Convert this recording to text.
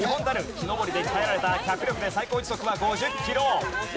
木登りで鍛えられた脚力で最高時速は５０キロ！